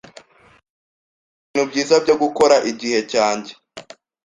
Mfite ibintu byiza byo gukora igihe cyanjye.